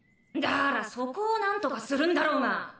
だからそこをなんとかするんだろうが！